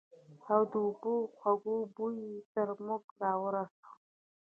او د اوبو خوږ بوى يې تر موږ رارساوه.